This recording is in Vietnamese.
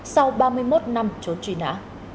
sau ba mươi một năm trốn truy nã